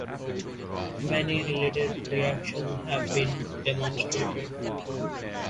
Many related reactions have been demonstrated.